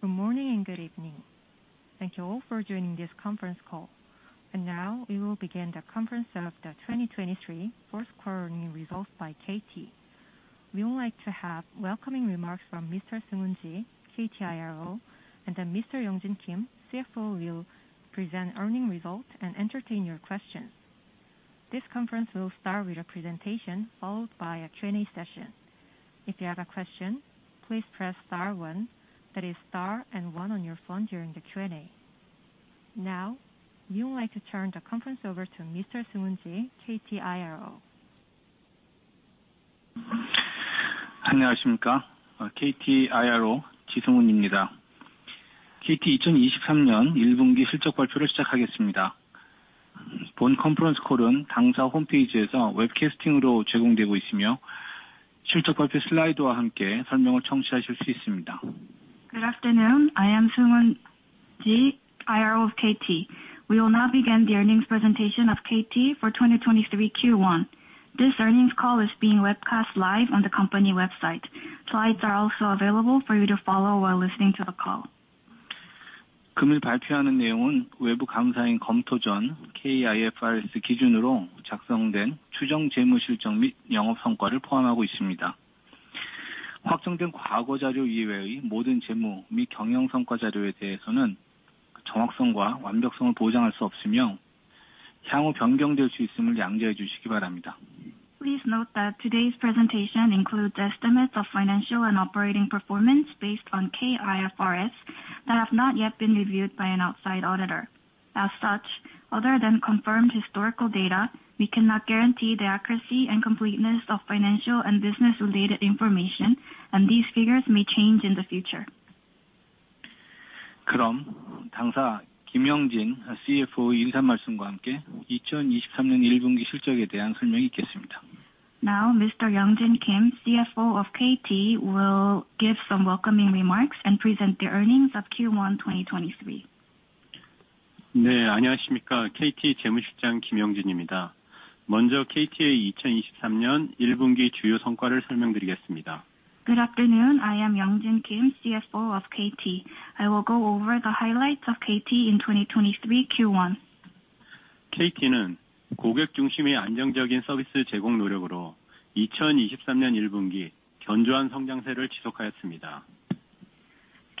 Good morning, and good evening. Thank you all for joining this conference call. Now we will begin the conference call of the 2023 fourth quarter earning results by KT. We would like to have welcoming remarks from SeungHoon Chi, KT IRO, and then Mr. Young-Jin Kim, CFO, will present earning results and entertain your questions. This conference will start with a presentation followed by a Q&A session. If you have a question, please press star one, that is star and one on your phone during the Q&A. Now, we would like to turn the conference over to SeungHoon Chi, KT IRO. Good afternoon. I SeungHoon Chi, IRO of KT. We will now begin the earnings presentation of KT for 2023 Q1. This earnings call is being webcast live on the company website. Slides are also available for you to follow while listening to the call. Please note that today's presentation includes estimates of financial and operating performance based on KIFRS that have not yet been reviewed by an outside auditor. As such, other than confirmed historical data, we cannot guarantee the accuracy and completeness of financial and business-related information, and these figures may change in the future. Now, Mr. Young-Jin Kim, CFO of KT, will give some welcoming remarks and present the earnings of Q1 2023. Good afternoon. I am Young-Jin Kim, CFO of KT. I will go over the highlights of KT in 2023 Q1. KT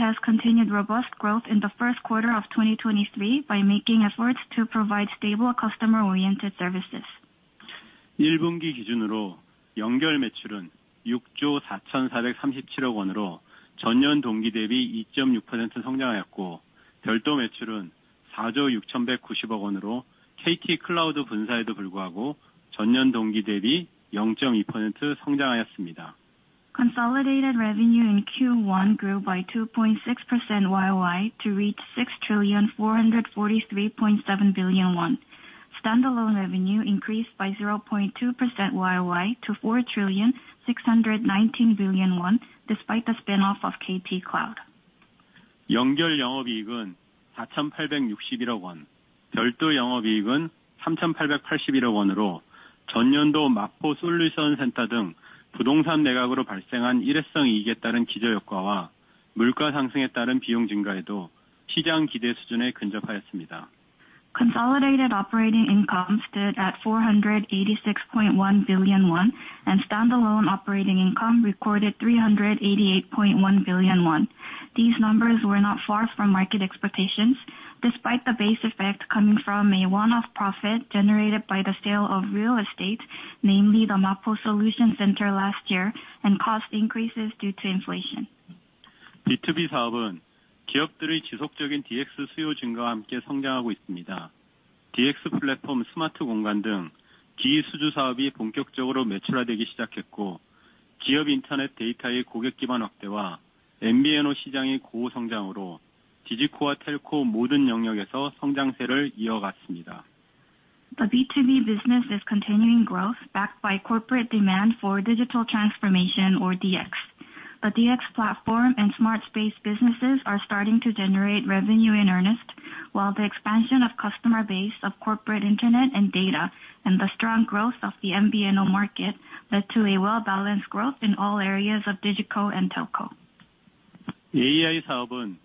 has continued robust growth in the first quarter of 2023 by making efforts to provide stable customer-oriented services. Consolidated revenue in Q1 grew by 2.6% YOY to reach KRW 6,443.7 billion. Standalone revenue increased by 0.2% YOY to 4,619 billion won despite the spin-off of KT Cloud. Consolidated operating income stood at 486.1 billion won, and standalone operating income recorded 388.1 billion. These numbers were not far from market expectations, despite the base effect coming from a one-off profit generated by the sale of real estate, namely the Mapo Solution Center last year, and cost increases due to inflation. The B2B business is continuing growth backed by corporate demand for digital transformation or DX. The DX platform and smart space businesses are starting to generate revenue in earnest, while the expansion of customer base of corporate internet and data and the strong growth of the MVNO market led to a well-balanced growth in all areas of Digico and Telco. In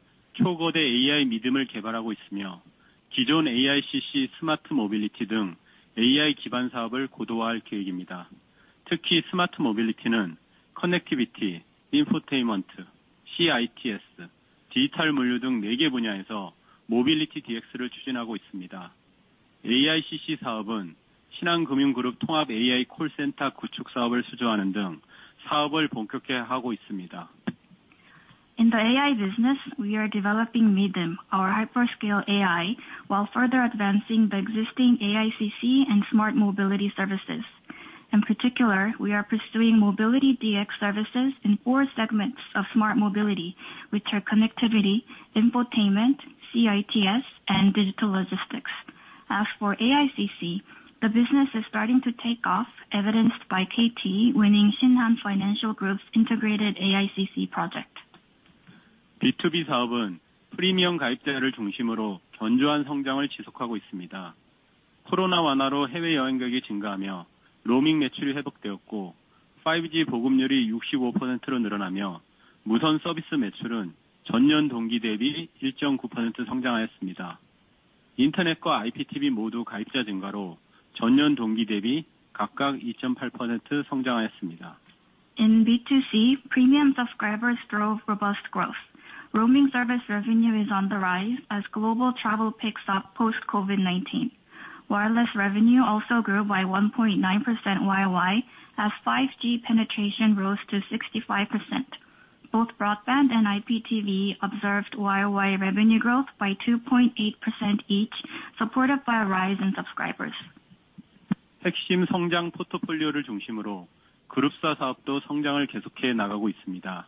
the AI business, we are developing Mi:dm, our hyperscale AI, while further advancing the existing AICC and smart mobility services. In particular, we are pursuing mobility DX services in 4 segments of smart mobility, which are connectivity, infotainment, C-ITS, and digital logistics. As for AICC, the business is starting to take off, evidenced by KT winning Shinhan Financial Group's integrated AICC project. B2B business continues to show solid growth, primarily driven by premium subscribers. With the easing of COVID-19, overseas travelers increased, and roaming revenue recovered. As 5G penetration increased to 65%, wireless service revenue grew 1.9% YOY. Both internet and IPTV grew 2.8% YOY due to subscriber growth. In B2C, premium subscribers drove robust growth. Roaming service revenue is on the rise as global travel picks up post COVID-19. Wireless revenue also grew by 1.9% YoY as 5G penetration rose to 65%. Both broadband and IPTV observed YoY revenue growth by 2.8% each, supported by a rise in subscribers. 핵심 성장 포트폴리오를 중심으로 그룹사 사업도 성장을 계속해 나가고 있습니다.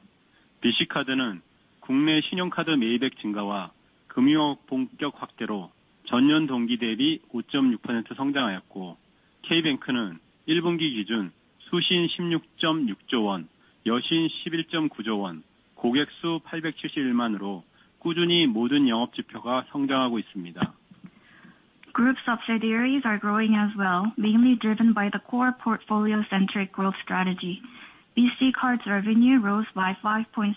BC카드는 국내 신용카드 매입액 증가와 금융업 본격 확대로 전년 동기 대비 5.6% 성장하였고, K뱅크는 1분기 기준 수신 16.6조 원, 여신 11.9조 원, 고객 수 871만으로 꾸준히 모든 영업 지표가 성장하고 있습니다. Group subsidiaries are growing as well, mainly driven by the core portfolio-centric growth strategy. BC Card's revenue rose by 5.6%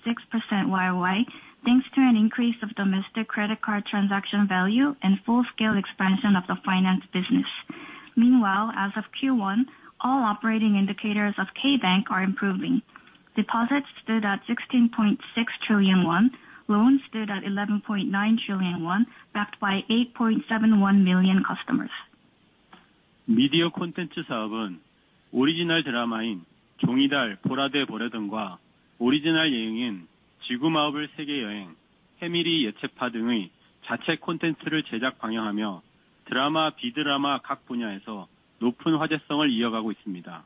YOY, thanks to an increase of domestic credit card transaction value and full-scale expansion of the finance business. Meanwhile, as of Q1, all operating indicators of K Bank are improving. Deposits stood at 16.6 trillion won. Loans stood at 11.9 trillion won, backed by 8.71 million customers. 미디어 콘텐츠 사업은 오리지널 드라마인 종이달, 보라! 데보라 등과 오리지널 예능인 지구마을 세계여행, 혜미리 예채파 등의 자체 콘텐츠를 제작, 방영하며 드라마, 비드라마 각 분야에서 높은 화제성을 이어가고 있습니다.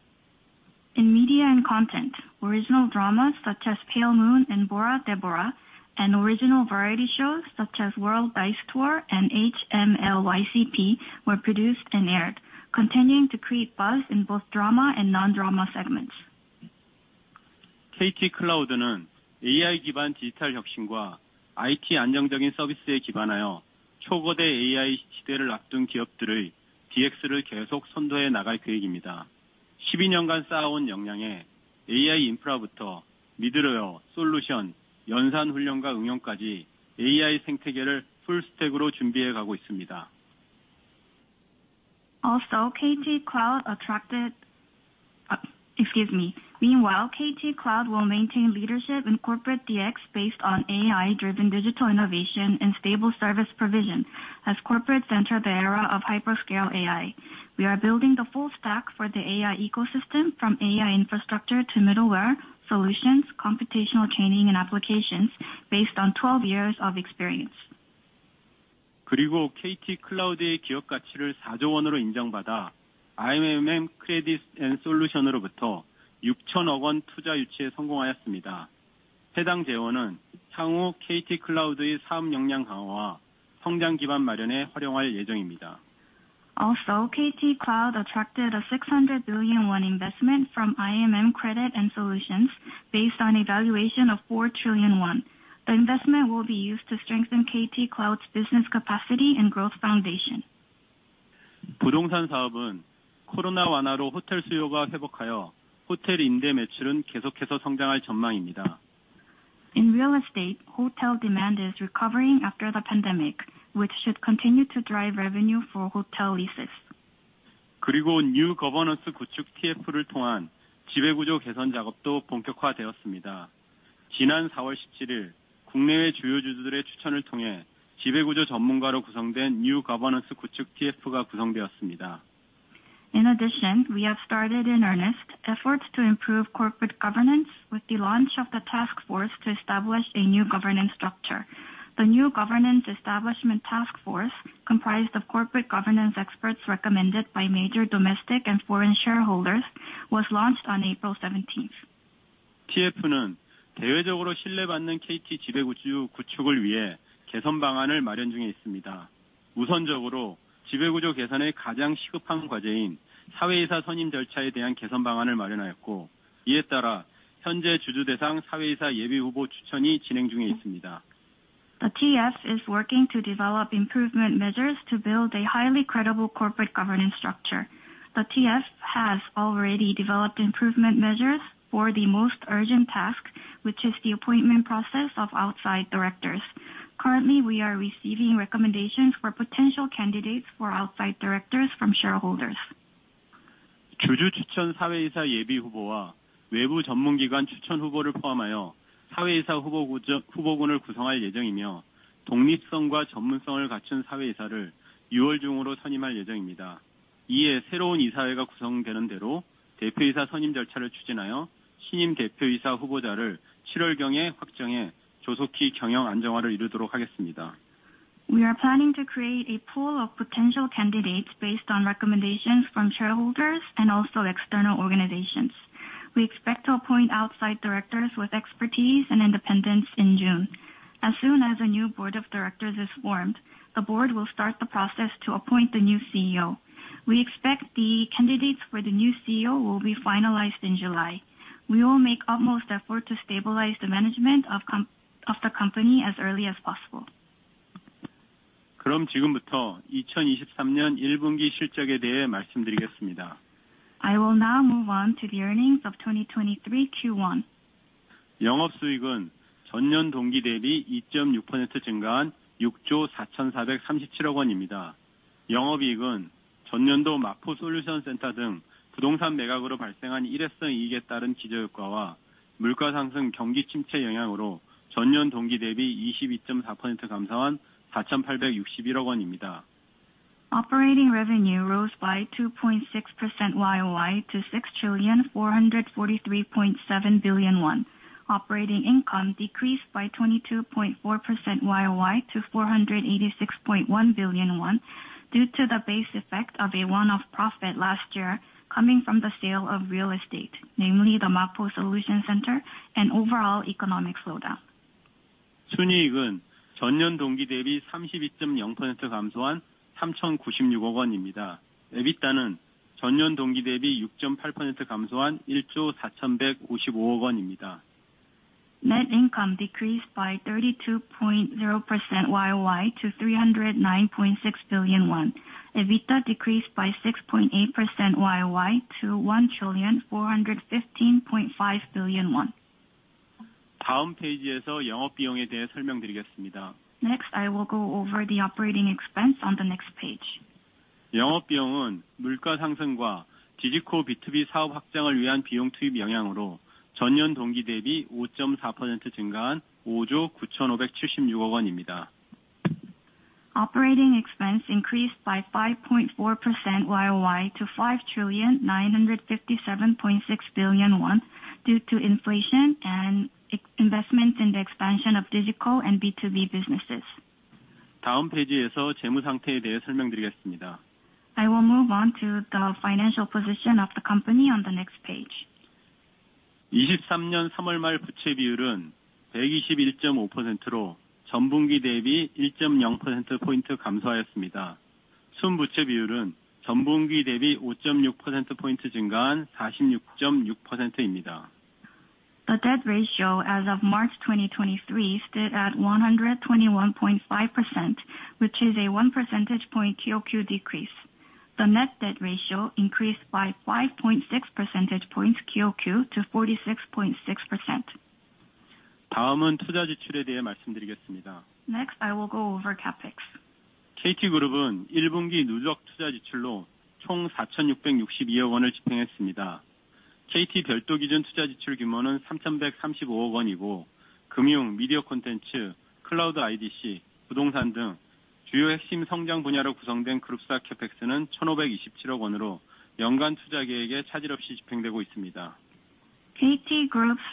In media and content, original dramas such as Pale Moon and Bora! Deborah, and original variety shows such as World Dice Tour and HMLYCP were produced and aired, continuing to create buzz in both drama and non-drama segments. KT Cloud는 AI 기반 디지털 혁신과 IT 안정적인 서비스에 기반하여 초거대 AI 시대를 앞둔 기업들의 DX를 계속 선도해 나갈 계획입니다. 12년간 쌓아온 역량에 AI 인프라부터 미들웨어 솔루션, 연산 훈련과 응용까지 AI 생태계를 풀 스택으로 준비해 가고 있습니다. Excuse me. Meanwhile, KT Cloud will maintain leadership in corporate DX based on AI-driven digital innovation and stable service provision. As corporates enter the era of hyperscale AI, we are building the full stack for the AI ecosystem from AI infrastructure to middleware solutions, computational training and applications based on 12 years of experience. kt cloud의 기업 가치를 4 trillion으로 인정받아 IMM Credit & Solution으로부터 600 billion 투자 유치에 성공하였습니다. 해당 재원은 향후 kt cloud의 사업 역량 강화와 성장 기반 마련에 활용할 예정입니다. KT Cloud attracted a 600 billion won investment from IMM Credit & Solution based on evaluation of 4 trillion won. The investment will be used to strengthen KT Cloud's business capacity and growth foundation. 부동산 사업은 COVID-19 완화로 호텔 수요가 회복하여 호텔 임대 매출은 계속해서 성장할 전망입니다. In real estate, hotel demand is recovering after the pandemic, which should continue to drive revenue for hotel leases. New Governance 구축 TF를 통한 지배구조 개선 작업도 본격화되었습니다. 지난 April 17 국내외 주요 주주들의 추천을 통해 지배구조 전문가로 구성된 New Governance 구축 TF가 구성되었습니다. In addition, we have started in earnest efforts to improve corporate governance with the launch of the task force to establish a new governance structure. The New Governance Establishment Task Force, comprised of corporate governance experts recommended by major domestic and foreign shareholders, was launched on April 17th. TF는 대외적으로 신뢰받는 KT 지배구조 구축을 위해 개선 방안을 마련 중에 있습니다. 우선적으로 지배구조 개선의 가장 시급한 과제인 사외이사 선임 절차에 대한 개선 방안을 마련하였고, 이에 따라 현재 주주 대상 사외이사 예비 후보 추천이 진행 중에 있습니다. The TF is working to develop improvement measures to build a highly credible corporate governance structure. The TF has already developed improvement measures for the most urgent task, which is the appointment process of outside directors. Currently, we are receiving recommendations for potential candidates for outside directors from shareholders. 주주 추천 사외이사 예비 후보와 외부 전문기관 추천 후보를 포함하여 사외이사 후보군을 구성할 예정이며, 독립성과 전문성을 갖춘 사외이사를 6월 중으로 선임할 예정입니다. 새로운 이사회가 구성되는 대로 대표이사 선임 절차를 추진하여 신임 대표이사 후보자를 7월경에 확정해 조속히 경영 안정화를 이루도록 하겠습니다. We are planning to create a pool of potential candidates based on recommendations from shareholders and also external organizations. We expect to appoint outside directors with expertise and independence in June. As soon as a new board of directors is formed, the board will start the process to appoint the new CEO. We expect the candidates for the new CEO will be finalized in July. We will make utmost effort to stabilize the management of the company as early as possible. I will now move on to the earnings of 2023 Q1. Operating revenue rose by 2.6% YOY to 6,443.7 billion won. Operating income decreased by 22.4% YOY to 486.1 billion won, due to the base effect of a one-off profit last year, coming from the sale of real estate, namely the Mapo Solution Center and overall economic slowdown. Net income decreased by 32.0% YOY to KRW 309.6 billion. EBITDA decreased by 6.8% YOY to 1,415.5 billion. I will go over the operating expense on the next page. Operating expense increased by 5.4% YOY to 5,957.6 billion won due to inflation and investment in the expansion of Digico and B2B businesses. I will move on to the financial position of the company on the next page. The debt ratio as of March 2023 stood at 121.5%, which is a 1 percentage point QOQ decrease. The net debt ratio increased by 5.6 percentage points QOQ to 46.6%. Next, I will go over CapEx. KT Group's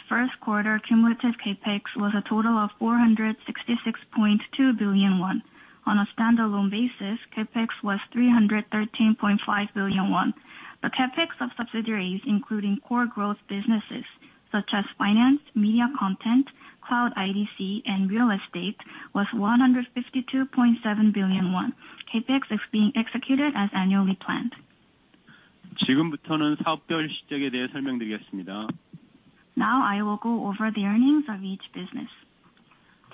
first quarter cumulative CapEx was a total of 466.2 billion won. On a standalone basis, CapEx was 313.5 billion won. The CapEx of subsidiaries, including core growth businesses such as finance, media content, cloud IDC, and real estate, was 152.7 billion won. CapEx is being executed as annually planned. Now, I will go over the earnings of each business.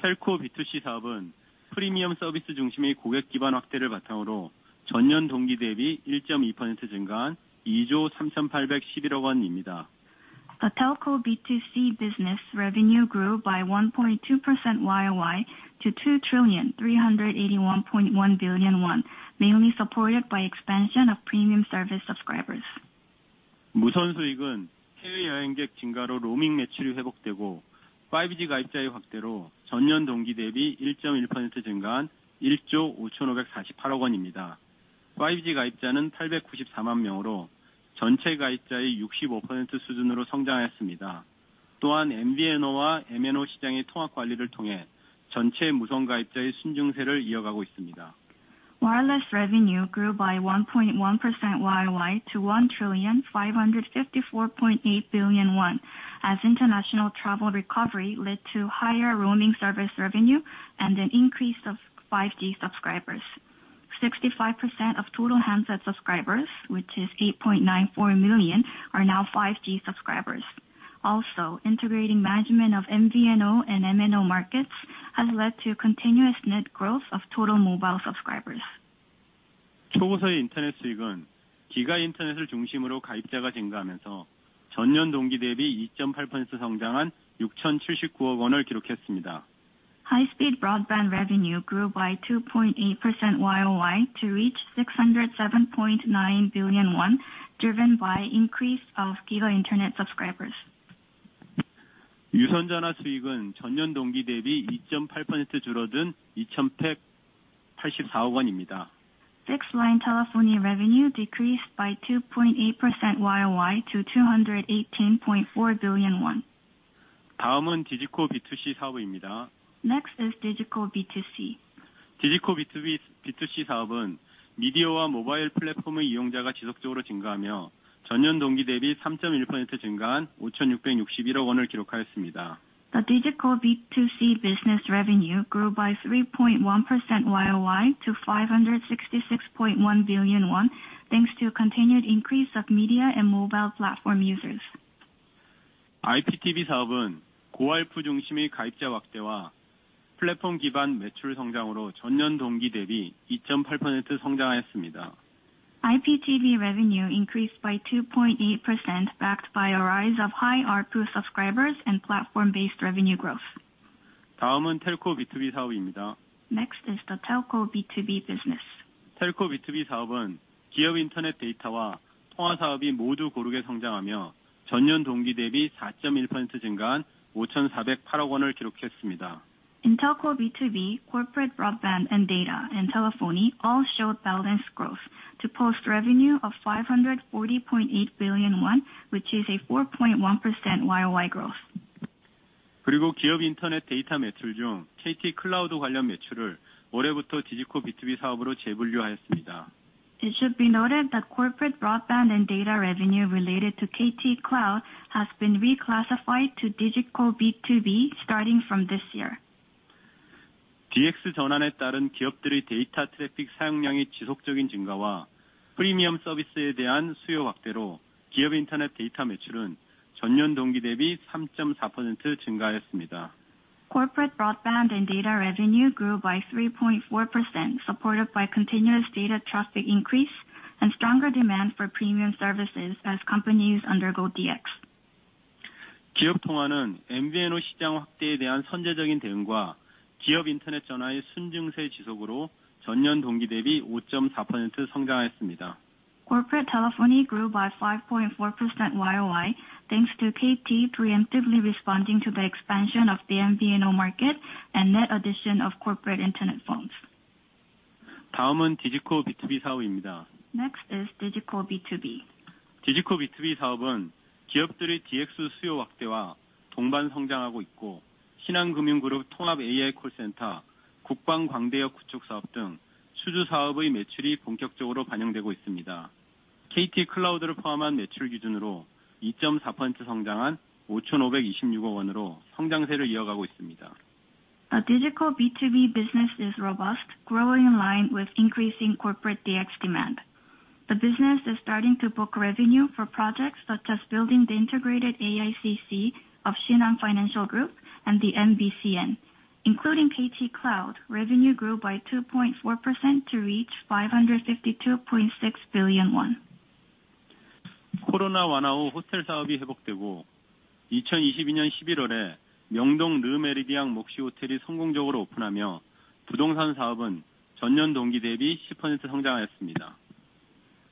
The Telco B2C business revenue grew by 1.2% YOY to KRW 2,381.1 billion, mainly supported by expansion of premium service subscribers. Wireless revenue grew by 1.1% YOY to 1,554.8 billion won, as international travel recovery led to higher roaming service revenue and an increase of 5G subscribers. 65% of total handset subscribers, which is 8.94 million, are now 5G subscribers. Integrating management of MVNO and MNO markets has led to continuous net growth of total mobile subscribers. High-speed broadband revenue grew by 2.8% YOY to reach 607.9 billion won, driven by increase of GiGA Internet subscribers. Fixed line telephony revenue decreased by 2.8% YOY to 218.4 billion won. Next is Digital B2C. 전년 동기 대비 3.1% 증가한 566.1 billion을 기록하였습니다. The digital B2C business revenue grew by 3.1% YOY to 566.1 billion won thanks to a continued increase of media and mobile platform users. IPTV 사업은 고-ARPU 중심의 가입자 확대와 플랫폼 기반 매출 성장으로 전년 동기 대비 2.8% 성장하였습니다. IPTV revenue increased by 2.8% backed by a rise of high ARPU subscribers and platform-based revenue growth. 다음은 Telco B2B 사업입니다. Next is the Telco B2B business. Telco B2B business recorded KRW 540.8 billion, a 4.1% increase YOY, as corporate internet data and call business all grew evenly. In Telco B2B, corporate broadband and data and telephony all showed balanced growth to post revenue of 540.8 billion won, which is a 4.1% YOY growth. 기업 인터넷 데이터 매출 중 kt cloud 관련 매출을 올해부터 Digico B2B 사업으로 재분류하였습니다. It should be noted that corporate broadband and data revenue related to KT Cloud has been reclassified to Digico B2B starting from this year. DX 전환에 따른 기업들의 데이터 트래픽 사용량이 지속적인 증가와 프리미엄 서비스에 대한 수요 확대로 기업 인터넷 데이터 매출은 전년 동기 대비 삼점사 퍼센트 증가하였습니다. Corporate broadband and data revenue grew by 3.4%, supported by continuous data traffic increase and stronger demand for premium services as companies undergo DX. 기업 통화는 MVNO 시장 확대에 대한 선제적인 대응과 기업 인터넷 전화의 순증세 지속으로 전년 동기 대비 오점사 퍼센트 성장하였습니다. Corporate telephony grew by 5.4% YOY, thanks to KT preemptively responding to the expansion of the MVNO market and net addition of corporate Internet phones. 다음은 Digico B2B 사업입니다. Next is Digico B2B. Digico B2B business is growing along with the expansion of DX demand from companies, and revenue from contracted projects such as Shinhan Financial Group integrated AI call center and national defense broadband construction project is being fully reflected. Based on revenue including KT Cloud, it is continuing its growth trend with a 2.4% growth to KRW 552.6 billion. Our Digico B2B business is robust, growing in line with increasing corporate DX demand. The business is starting to book revenue for projects such as building the integrated AICC of Shinhan Financial Group and the NBCN. Including KT Cloud, revenue grew by 2.4% to reach 552.6 billion won. 코로나 완화 후 호텔 사업이 회복되고, 2022년 11월에 명동 Le Méridien Moxy Hotel이 성공적으로 오픈하며 부동산 사업은 전년 동기 대비 10% 성장하였습니다.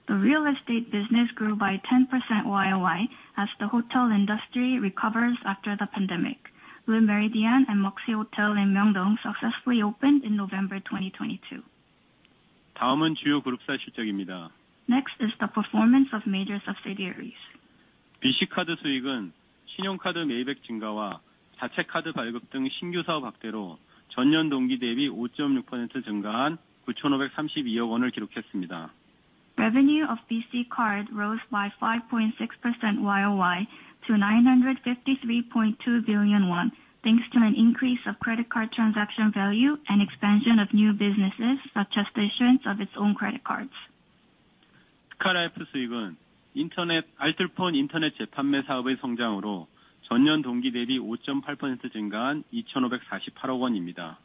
The real estate business grew by 10% YOY as the hotel industry recovers after the pandemic. Le Méridien and Moxy Hotel in Myeongdong successfully opened in November 2022. 다음은 주요 그룹사 실적입니다. Next is the performance of major subsidiaries. BC Card 수익은 신용카드 매입액 증가와 자체 카드 발급 등 신규 사업 확대로 전년 동기 대비 5.6% 증가한 953.2 billion을 기록했습니다. Revenue of BC Card rose by 5.6% YOY to 953.2 billion won, thanks to an increase of credit card transaction value and expansion of new businesses such as the issuance of its own credit cards. 스카이라이프 수익은 인터넷, 알뜰폰 인터넷 재판매 사업의 성장으로 전년 동기 대비 오점팔 퍼센트 증가한 이천오백사십팔억 원입니다.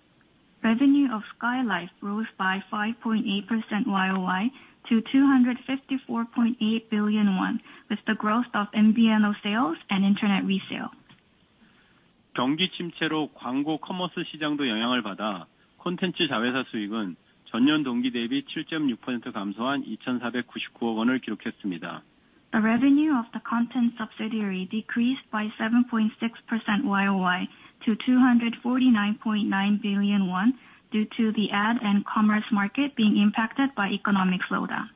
Revenue of Skylife rose by 5.8% YOY to 254.8 billion won, with the growth of MVNO sales and internet resale. 경기 침체로 광고 커머스 시장도 영향을 받아 콘텐츠 자회사 수익은 YOY 7.6% 감소한 2,499억 원을 기록했습니다. The revenue of the content subsidiary decreased by 7.6% YOY to 249.9 billion won due to the ad and commerce market being impacted by economic slowdown.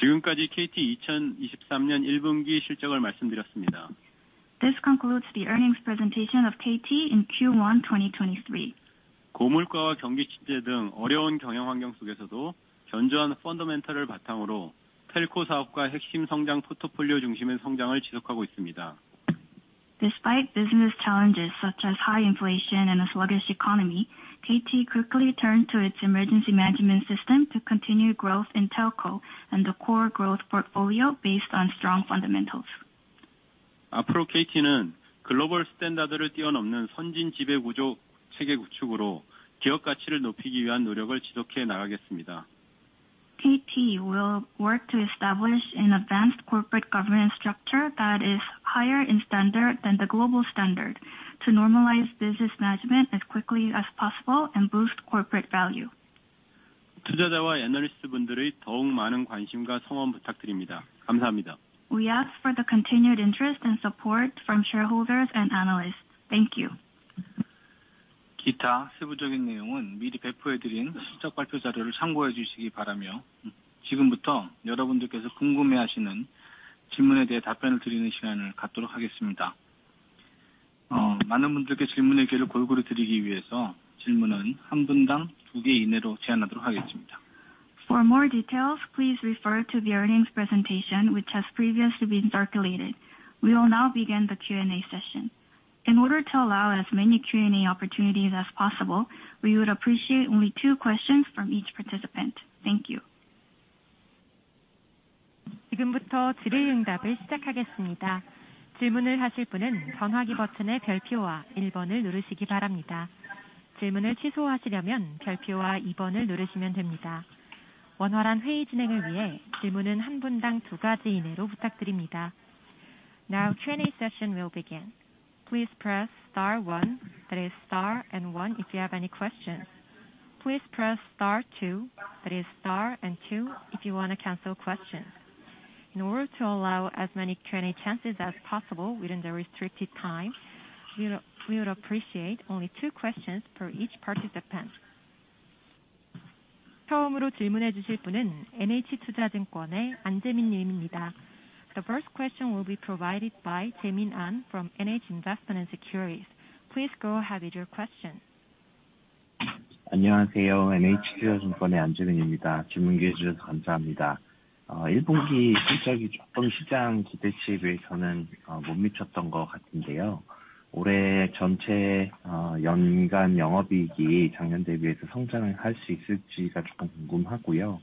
지금까지 KT 이천이십삼년 일분기 실적을 말씀드렸습니다. This concludes the earnings presentation of KT in Q1 2023. 고물가와 경기 침체 등 어려운 경영 환경 속에서도 견조한 펀더멘털을 바탕으로 Telco 사업과 핵심 성장 포트폴리오 중심의 성장을 지속하고 있습니다. Despite business challenges such as high inflation and a sluggish economy, KT quickly turned to its emergency management system to continue growth in Telco and the core growth portfolio based on strong fundamentals. 앞으로 KT는 글로벌 스탠다드를 뛰어넘는 선진 지배구조 체계 구축으로 기업 가치를 높이기 위한 노력을 지속해 나가겠습니다. KT will work to establish an advanced corporate governance structure that is higher in standard than the global standard to normalize business management as quickly as possible and boost corporate value. 투자자와 애널리스트분들의 더욱 많은 관심과 성원 부탁드립니다. 감사합니다. We ask for the continued interest and support from shareholders and analysts. Thank you. 기타 세부적인 내용은 미리 배포해 드린 실적 발표 자료를 참고해 주시기 바라며, 지금부터 여러분들께서 궁금해하시는 질문에 대해 답변을 드리는 시간을 갖도록 하겠습니다. 많은 분들께 질문의 기회를 골고루 드리기 위해서 질문은 한 분당 두개 이내로 제한하도록 하겠습니다. For more details, please refer to the earnings presentation, which has previously been circulated. We will now begin the Q&A session. In order to allow as many Q&A opportunities as possible, we would appreciate only two questions from each participant. Thank you. 지금부터 질의응답을 시작하겠습니다. 질문을 하실 분은 번호키 버튼의 별표와 일번을 누르시기 바랍니다. 질문을 취소하시려면 별표와 이번을 누르시면 됩니다. 원활한 회의 진행을 위해 질문은 한 분당 두 가지 이내로 부탁드립니다. Q&A session will begin. Please press star one. That is star and one if you have any questions. Please press star two, that is star and two, if you want to cancel questions. In order to allow as many Q&A chances as possible within the restricted time, we would appreciate only two questions for each participant. 처음으로 질문해 주실 분은 NH Investment & Securities의 Jaemin An 님입니다. The first question will be provided by Jaemin An from NH Investment & Securities. Please go ahead with your question. 안녕하세요. NH투자증권의 Jaemin An입니다. 질문 기회 주셔서 감사합니다. 1분기 실적이 조금 시장 기대치에 비해서는 못 미쳤던 것 같은데요. 올해 전체 연간 영업이익이 작년 대비해서 성장을 할수 있을지가 조금 궁금하고요.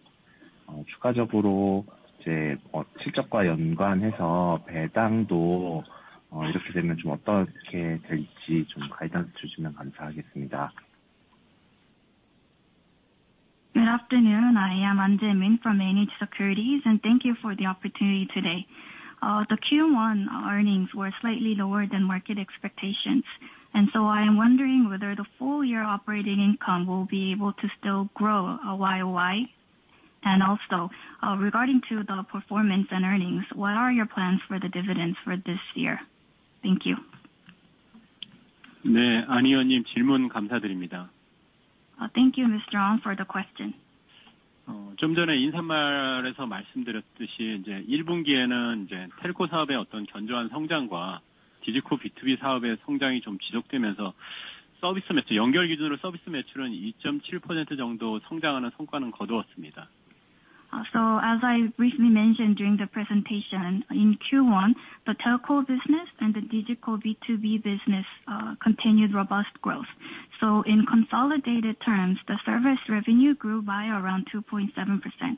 추가적으로 이제 실적과 연관해서 배당도 이렇게 되면 좀 어떻게 될지 좀 가이던스 주시면 감사하겠습니다. Good afternoon. I am Jaemin An from NH Investment & Securities, and thank you for the opportunity today. The Q1 earnings were slightly lower than market expectations. I am wondering whether the full year operating income will be able to still grow a YOY. Regarding to the performance and earnings, what are your plans for the dividends for this year? Thank you. 안 의원님 질문 감사드립니다. Thank you, Mr. An, for the question. 좀 전에 인사말에서 말씀드렸듯이 이제 1분기에는 이제 Telco 사업의 어떤 견조한 성장과 Digico B2B 사업의 성장이 좀 지속되면서 서비스 매출, 연결 기준으로 서비스 매출은 2.7% 정도 성장하는 성과는 거두었습니다. As I briefly mentioned during the presentation, in Q1, the Telco business and the Digico B2B business continued robust growth. In consolidated terms, the service revenue grew by around 2.7%.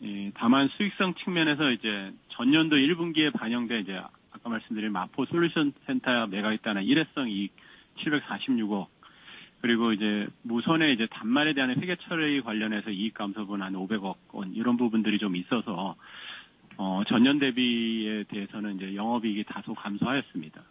예, 다만 수익성 측면에서 이제 전년도 일분기에 반영된 이제 아까 말씀드린 마포 솔루션 센터 매각에 따른 일회성 이익 칠백 사십육억, 그리고 이제 무선의 이제 단말에 대한 회계처리 관련해서 이익 감소분 한 오백억 원, 이런 부분들이 좀 있어서, uh, 전년 대비에 대해서는 이제 영업이익이 다소 감소하였습니다.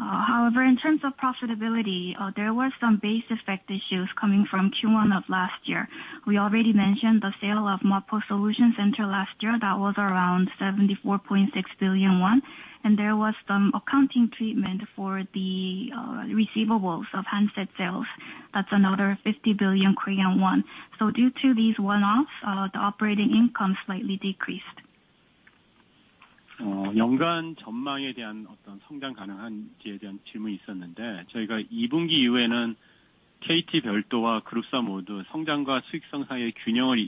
However, in terms of profitability, there was some base effect issues coming from Q1 of last year. We already mentioned the sale of Mapo Solution Center last year. That was around 74.6 billion won, and there was some accounting treatment for the receivables of handset sales. That's another 50 billion Korean won. Due to these one-offs, the operating income slightly decreased. 연간 전망에 대한 어떤 성장 가능성에 대한 질문이 있었는데, 저희가 2분기 이후에는 KT 별도와 그룹사 모두 성장과 수익성 사이의 균형을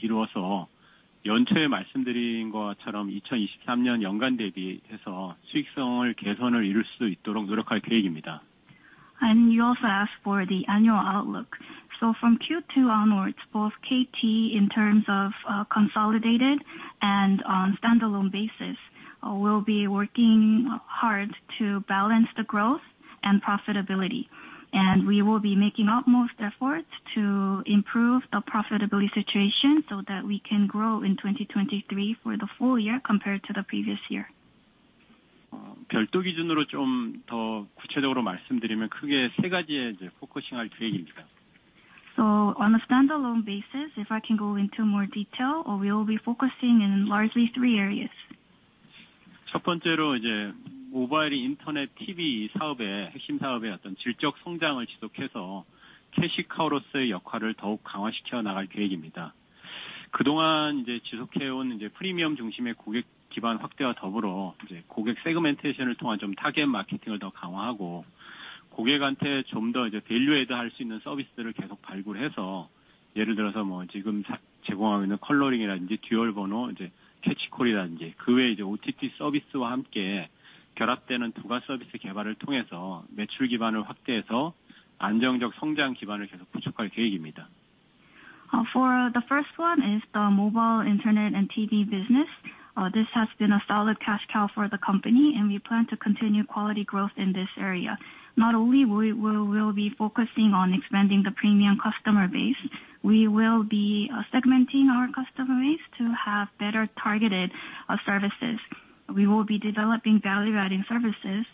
이루어서 연초에 말씀드린 것처럼 2023년 연간 대비해서 수익성을 개선을 이룰 수 있도록 노력할 계획입니다. You also asked for the annual outlook. From Q2 onwards, both KT in terms of consolidated and on standalone basis, will be working hard to balance the growth and profitability. We will be making utmost efforts to improve the profitability situation so that we can grow in 2023 for the full year compared to the previous year. 별도 기준으로 좀더 구체적으로 말씀드리면 크게 세 가지에 이제 포커싱 할 계획입니다. On a standalone basis, if I can go into more detail, we will be focusing in largely three areas. 첫 번째로 이제 모바일, 인터넷, TV 사업의 핵심 사업의 어떤 질적 성장을 지속해서 Cash Cow로서의 역할을 더욱 강화시켜 나갈 계획입니다. 그동안 이제 지속해 온 이제 프리미엄 중심의 고객 기반 확대와 더불어 이제 고객 Segmentation을 통한 좀 타겟 마케팅을 더 강화하고, 고객한테 좀더 이제 Value Add 할수 있는 서비스들을 계속 발굴해서, 예를 들어서 뭐 지금 제공하고 있는 컬러링이라든지 듀얼 번호, 이제 캐치콜이라든지, 그외 이제 OTT 서비스와 함께 결합되는 부가 서비스 개발을 통해서 매출 기반을 확대해서 안정적 성장 기반을 계속 구축할 계획입니다. For the first one is the mobile, internet, and TV business. This has been a solid cash cow for the company, and we plan to continue quality growth in this area. Not only we will be focusing on expanding the premium customer base, we will be segmenting our customer base to have better targeted services. We will be developing value adding services,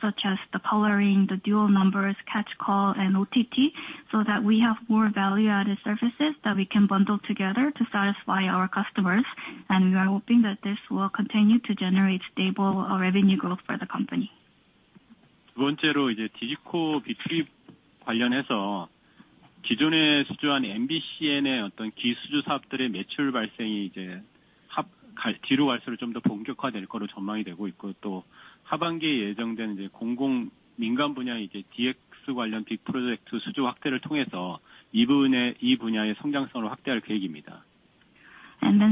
such as the coloring, the dual numbers, Catch Call and OTT, so that we have more value added services that we can bundle together to satisfy our customers. We are hoping that this will continue to generate stable revenue growth for the company. 두 번째로 이제 Digico B2B 관련해서 기존에 수주한 MBCN의 어떤 기수주 사업들의 매출 발생이 이제 뒤로 갈수록 좀더 본격화될 걸로 전망이 되고 있고. 하반기에 예정된 이제 공공 민간 분야 이제 DX 관련 빅 프로젝트 수주 확대를 통해서 이 분야의 성장성을 확대할 계획입니다.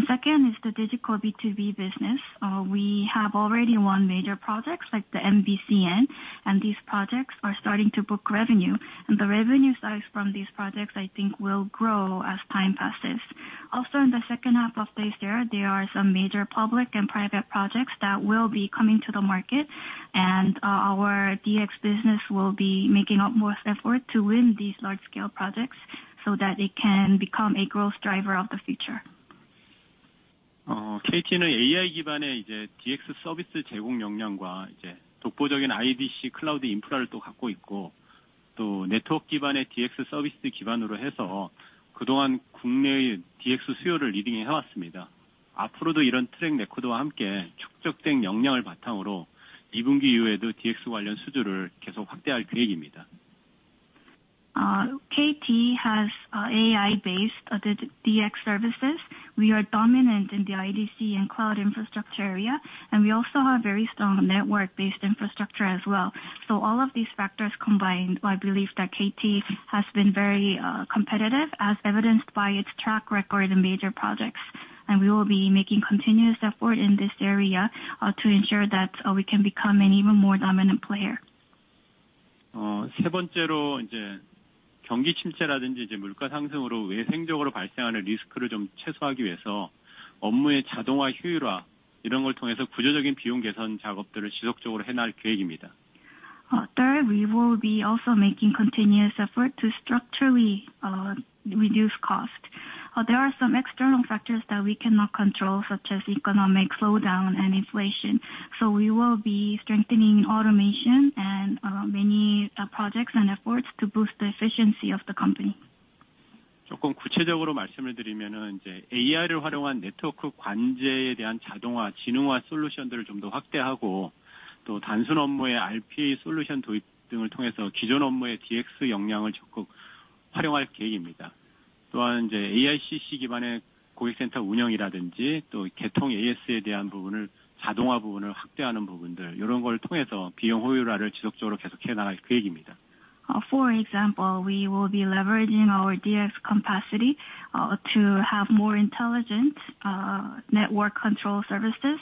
Second is the Digico B2B business. We have already won major projects like the MBCN. These projects are starting to book revenue. The revenue size from these projects, I think will grow as time passes. Also, in the second half of this year, there are some major public and private projects that will be coming to the market. Our DX business will be making up more effort to win these large-scale projects so that it can become a growth driver of the future. KT는 AI 기반의 이제 DX 서비스 제공 역량과 이제 독보적인 IDC cloud 인프라를 또 갖고 있고, 또 네트워크 기반의 DX 서비스 기반으로 해서 그동안 국내의 DX 수요를 리딩해 왔습니다. 앞으로도 이런 track record와 함께 축적된 역량을 바탕으로 이 분기 이후에도 DX 관련 수주를 계속 확대할 계획입니다. KT has AI-based DX services. We are dominant in the IDC and cloud infrastructure area, and we also have very strong network-based infrastructure as well. All of these factors combined, I believe that KT has been very competitive, as evidenced by its track record in major projects, and we will be making continuous effort in this area, to ensure that we can become an even more dominant player. 세 번째로 이제 경기 침체라든지 이제 물가 상승으로 외생적으로 발생하는 리스크를 좀 최소화하기 위해서 업무의 자동화, 효율화, 이런 걸 통해서 구조적인 비용 개선 작업들을 지속적으로 해나갈 계획입니다. Third, we will be also making continuous effort to structurally reduce cost. There are some external factors that we cannot control, such as economic slowdown and inflation, so we will be strengthening automation and many projects and efforts to boost the efficiency of the company. 조금 구체적으로 말씀을 드리면 이제 AI를 활용한 네트워크 관제에 대한 자동화, 지능화 솔루션들을 좀더 확대하고, 또 단순 업무의 RPA 솔루션 도입 등을 통해서 기존 업무의 DX 역량을 적극 활용할 계획입니다. 이제 AICC 기반의 고객센터 운영이라든지, 또 개통 AS에 대한 부분을 자동화 부분을 확대하는 부분들, 이런 걸 통해서 비용 효율화를 지속적으로 계속해 나갈 계획입니다. For example, we will be leveraging our DX capacity to have more intelligent network control services.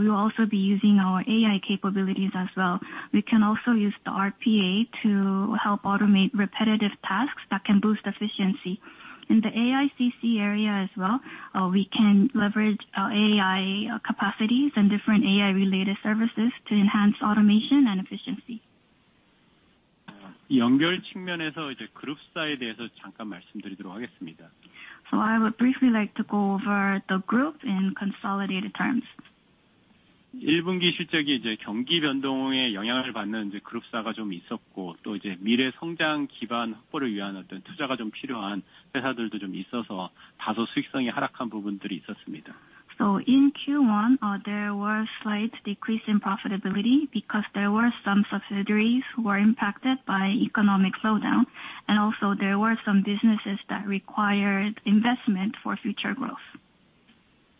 We will also be using our AI capabilities as well. We can also use the RPA to help automate repetitive tasks that can boost efficiency. In the AICC area as well, we can leverage AI capacities and different AI-related services to enhance automation and efficiency. 연결 측면에서 이제 그룹사에 대해서 잠깐 말씀드리도록 하겠습니다. I would briefly like to go over the group in consolidated terms. 일 분기 실적이 이제 경기 변동의 영향을 받는 이제 그룹사가 좀 있었고, 또 이제 미래 성장 기반 확보를 위한 어떤 투자가 좀 필요한 회사들도 좀 있어서 다소 수익성이 하락한 부분들이 있었습니다. In Q1, there was slight decrease in profitability because there were some subsidiaries who were impacted by economic slowdown, and also there were some businesses that required investment for future growth.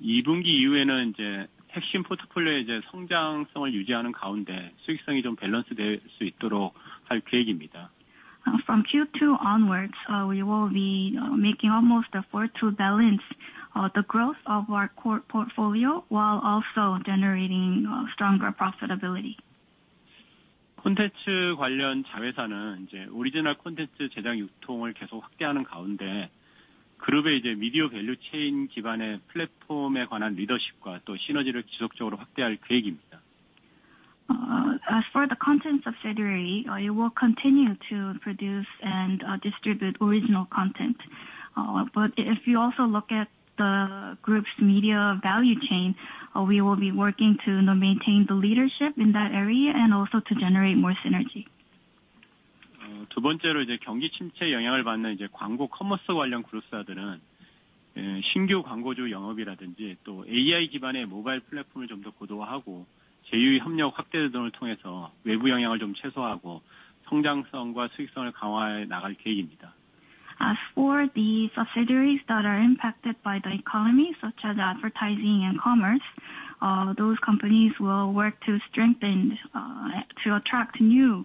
이 분기 이후에는 이제 핵심 포트폴리오의 이제 성장성을 유지하는 가운데 수익성이 좀 밸런스 될수 있도록 할 계획입니다. From Q2 onwards, we will be making almost effort to balance the growth of our core portfolio while also generating stronger profitability. 콘텐츠 관련 자회사는 이제 오리지널 콘텐츠 제작 유통을 계속 확대하는 가운데, 그룹의 이제 미디어 밸류 체인 기반의 플랫폼에 관한 리더십과 또 시너지를 지속적으로 확대할 계획입니다. As for the content subsidiary, it will continue to produce and distribute original content. If you also look at the group's media value chain, we will be working to maintain the leadership in that area and also to generate more synergy. 두 번째로 이제 경기 침체 영향을 받는 광고 커머스 관련 그룹사들은 신규 광고주 영업이라든지, 또 AI 기반의 모바일 플랫폼을 좀더 고도화하고, 제휴 협력 확대 등을 통해서 외부 영향을 좀 최소화하고 성장성과 수익성을 강화해 나갈 계획입니다. For the subsidiaries that are impacted by the economy, such as advertising and commerce, those companies will work to strengthen, to attract new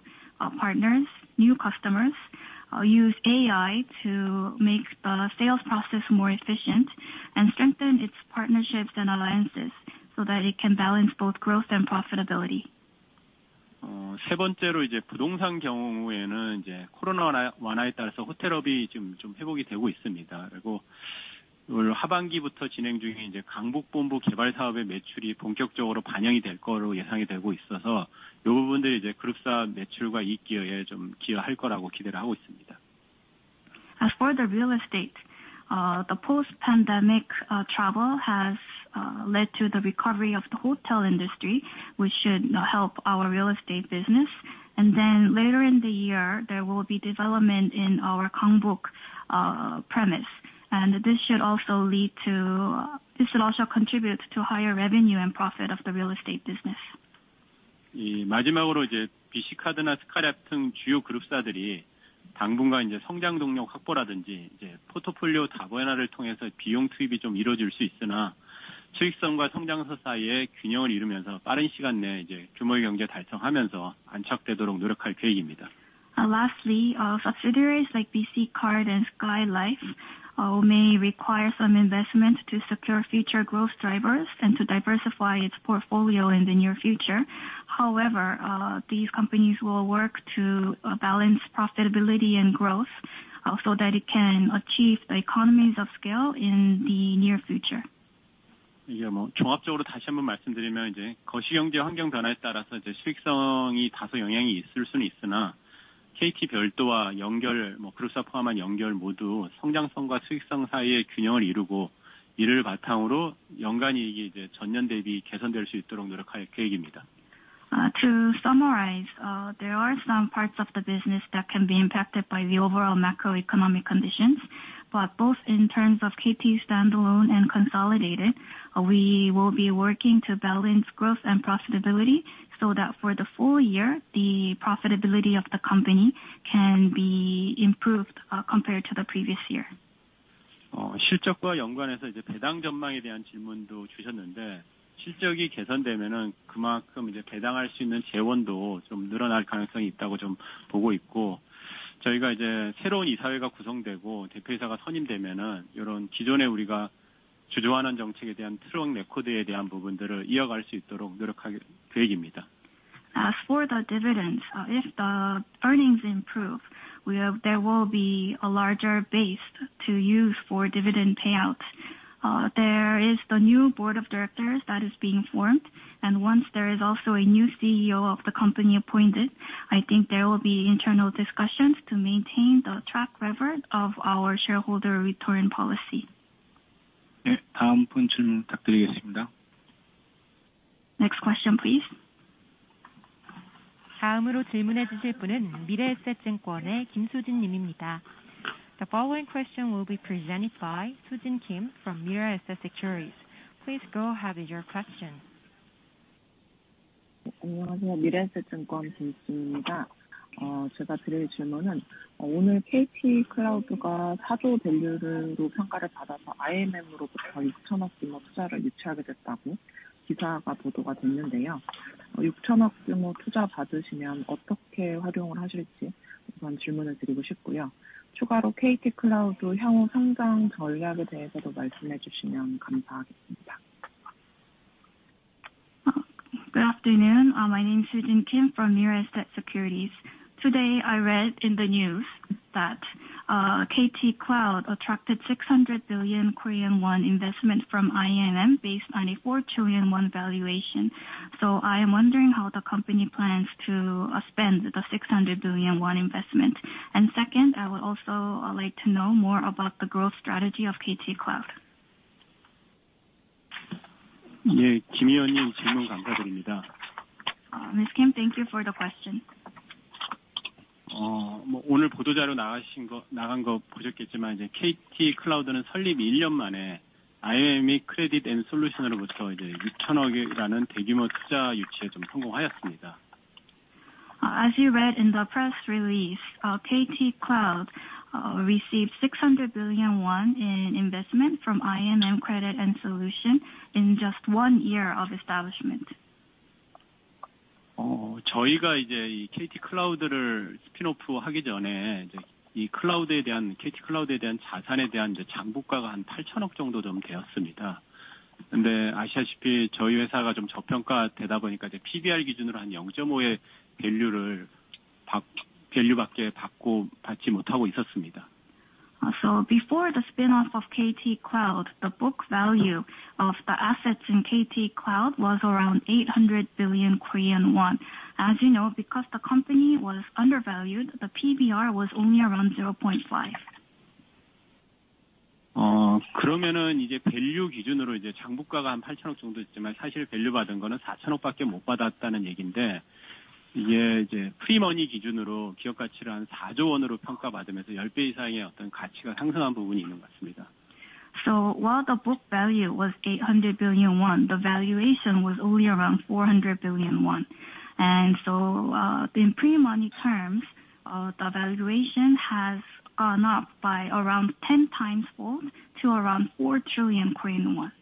partners, new customers, use AI to make the sales process more efficient, and strengthen its partnerships and alliances so that it can balance both growth and profitability. 어, 세 번째로 이제 부동산 경우에는 이제 코로나 완화에 따라서 호텔업이 지금 좀 회복이 되고 있습니다. 그리고 올 하반기부터 진행 중인 이제 강북 본부 개발 사업의 매출이 본격적으로 반영이 될 걸로 예상이 되고 있어서, 이 부분들이 이제 그룹사 매출과 이익 기여에 좀 기여할 거라고 기대를 하고 있습니다. As for the real estate, the post-pandemic travel has led to the recovery of the hotel industry, which should help our real estate business. Later in the year, there will be development in our Gangbuk premise. This will also contribute to higher revenue and profit of the real estate business. 이, 마지막으로 이제 BC카드나 스카이라이트 등 주요 그룹사들이 당분간 이제 성장동력 확보라든지, 이제 포트폴리오 다변화를 통해서 비용 투입이 좀 이루어질 수 있으나 수익성과 성장성 사이에 균형을 이루면서 빠른 시간 내에 이제 규모의 경제 달성하면서 안착되도록 노력할 계획입니다. Lastly, subsidiaries like BC Card and Skylife may require some investment to secure future growth drivers and to diversify its portfolio in the near future. However, these companies will work to balance profitability and growth so that it can achieve the economies of scale in the near future. 종합적으로 다시 한번 말씀드리면 이제 거시경제 환경 변화에 따라서 이제 수익성이 다소 영향이 있을 수는 있으나 KT 별도와 연결, 그룹사 포함한 연결 모두 성장성과 수익성 사이에 균형을 이루고 이를 바탕으로 연간 이익이 이제 전년 대비 개선될 수 있도록 노력할 계획입니다. To summarize, there are some parts of the business that can be impacted by the overall macroeconomic conditions, but both in terms of KT standalone and consolidated, we will be working to balance growth and profitability so that for the full year, the profitability of the company can be improved compared to the previous year. 어, 실적과 연관해서 이제 배당 전망에 대한 질문도 주셨는데 실적이 개선되면은 그만큼 이제 배당할 수 있는 재원도 좀 늘어날 가능성이 있다고 좀 보고 있고, 저희가 이제 새로운 이사회가 구성되고 대표이사가 선임되면은 이런 기존에 우리가 주주환원 정책에 대한 트럭 레코드에 대한 부분들을 이어갈 수 있도록 노력할 계획입니다. As for the dividends, if the earnings improve, there will be a larger base to use for dividend payouts. There is the new board of directors that is being formed, and once there is also a new CEO of the company appointed, I think there will be internal discussions to maintain the track record of our shareholder return policy. 네, 다음 분 질문 부탁드리겠습니다. Next question, please. The following question will be presented by Sung Shin Kim from Mirae Asset Securities. Please go ahead with your question. 안녕하세요, Mirae Asset Securities Sung Shin Kim입니다. 제가 드릴 질문은 오늘 KT Cloud가 KRW 4 trillion 밸류로 평가를 받아서 IMM으로부터 600 billion 규모 투자를 유치하게 됐다고 기사가 보도가 됐는데요. 600 billion 규모 투자 받으시면 어떻게 활용을 하실지 한번 질문을 드리고 싶고요. 추가로 KT Cloud 향후 성장 전략에 대해서도 말씀을 해주시면 감사하겠습니다. Good afternoon. My name is Sung Shin Kim from Mirae Asset Securities. Today, I read in the news that KT Cloud attracted 600 billion Korean won investment from IMM based on a 4 trillion won valuation. I am wondering how the company plans to spend the 600 billion won investment. Second, I would also like to know more about the growth strategy of KT Cloud. 예, 김 위원님 질문 감사드립니다. Ms. Kim, thank you for the question. 오늘 보도자료 나가신 거, 나간 거 보셨겠지만 이제 KT Cloud는 설립 1년 만에 IMM Credit & Solution으로부터 이제 600 billion이라는 대규모 투자 유치에 좀 성공하였습니다. as you read in the press release, KT Cloud, received 600 billion won in investment from IMM Credit & Solution in just one year of establishment. 저희가 이제 이 KT Cloud를 스핀오프 하기 전에 이제 이 cloud에 대한, KT Cloud에 대한 자산에 대한 이제 장부가가 한 800 billion 정도 좀 되었습니다. 아시다시피 저희 회사가 좀 저평가되다 보니까 이제 PBR 기준으로 한 0.5의 밸류밖에 받고, 받지 못하고 있었습니다. Before the spin-off of KT Cloud, the book value of the assets in KT Cloud was around 800 billion Korean won. As you know, because the company was undervalued, the PBR was only around 0.5. 이제 밸류 기준으로 이제 장부가가 한 800 billion 정도 있지만 사실 밸류 받은 거는 400 billion밖에 못 받았다는 얘긴데, 이게 이제 프리머니 기준으로 기업가치를 한 4 trillion으로 평가받으면서 10배 이상의 어떤 가치가 상승한 부분이 있는 것 같습니다. While the book value was 800 billion won, the valuation was only around 400 billion won. In pre-money terms, the valuation has gone up by around 10 times fold to around 4 trillion Korean won. 받은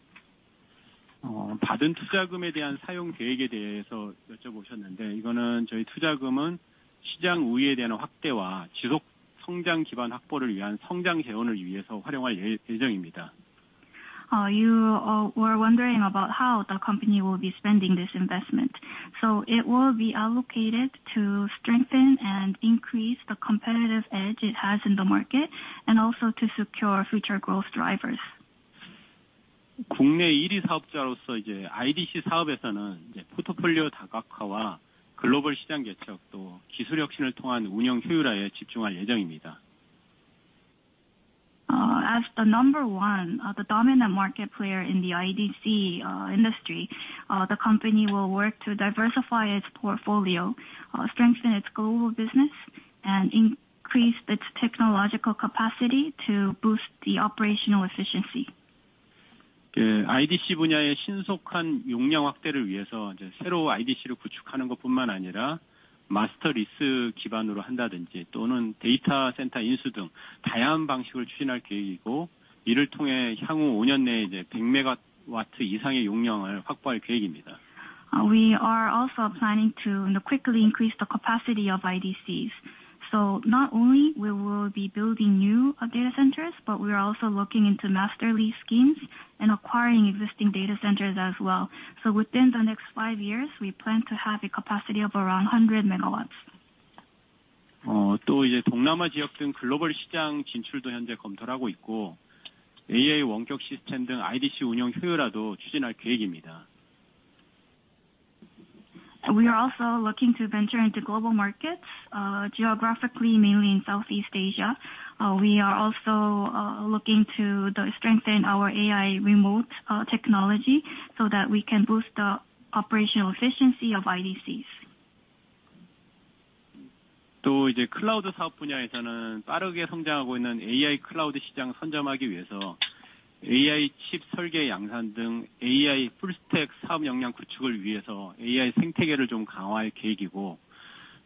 투자금에 대한 사용 계획에 대해서 여쭤보셨는데 이거는 저희 투자금은 시장 우위에 대한 확대와 지속 성장 기반 확보를 위한 성장 재원을 위해서 활용할 예정입니다. You were wondering about how the company will be spending this investment. It will be allocated to strengthen and increase the competitive edge it has in the market, and also to secure future growth drivers. 국내 일위 사업자로서 이제 IDC 사업에서는 이제 포트폴리오 다각화와 글로벌 시장 개척, 또 기술 혁신을 통한 운영 효율화에 집중할 예정입니다. As the number one, the dominant market player in the IDC industry, the company will work to diversify its portfolio, strengthen its global business, and increase its technological capacity to boost the operational efficiency. IDC 분야의 신속한 용량 확대를 위해서 이제 새로 IDC를 구축하는 것뿐만 아니라 마스터 리스 기반으로 한다든지, 또는 데이터 센터 인수 등 다양한 방식을 추진할 계획이고, 이를 통해 향후 5년 내에 이제 100메가와트 이상의 용량을 확보할 계획입니다. We are also planning to quickly increase the capacity of IDCs. Not only we will be building new data centers, but we are also looking into master lease schemes and acquiring existing data centers as well. Within the next five years, we plan to have a capacity of around 100 MW. 어, 또 이제 동남아 지역 등 글로벌 시장 진출도 현재 검토를 하고 있고, AI 원격 시스템 등 IDC 운영 효율화도 추진할 계획입니다. We are also looking to venture into global markets, geographically, mainly in Southeast Asia. We are also looking to strengthen our AI remote technology so that we can boost the operational efficiency of IDCs. 이제 클라우드 사업 분야에서는 빠르게 성장하고 있는 AI 클라우드 시장을 선점하기 위해서 AI 칩 설계 양산 등 AI 풀스택 사업 역량 구축을 위해서 AI 생태계를 좀 강화할 계획이고,